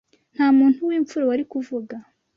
nta muntu w’imfura wari kuvuga